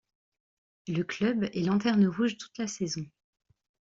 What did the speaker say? Le club est lanterne rouge toute la saison.